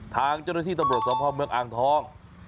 ทางเจ้าหน้าที่ตำรวจสมภาพเมืองอ่างทอง